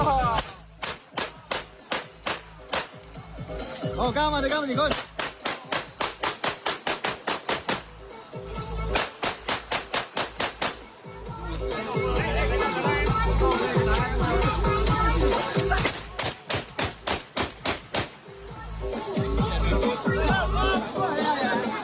จบให้ทุกของ